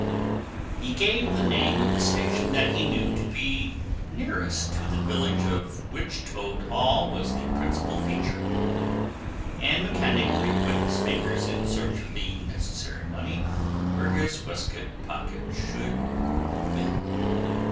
He gave the name of the station that he knew to be nearest to the village of which Toad Hall was the principal feature, and mechanically put his fingers, in search of the necessary money, where his waistcoat pocket should have been.